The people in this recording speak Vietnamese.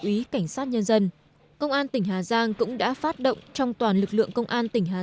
úy cảnh sát nhân dân công an tỉnh hà giang cũng đã phát động trong toàn lực lượng công an tỉnh hà